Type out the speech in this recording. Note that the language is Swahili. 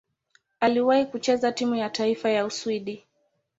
Aliwahi kucheza timu ya taifa ya Uswidi.